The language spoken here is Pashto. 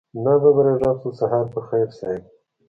ناببره غږ شو سهار په خير صيب.